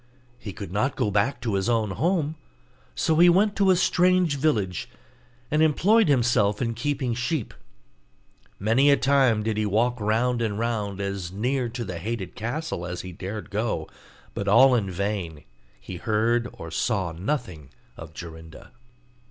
He could not go back to his own home, so he went to a strange village, and employed himself in keeping sheep. Many a time did he walk round and round as near to the hated castle as he dared go, but all in vain; he heard or saw nothing of Jorinda.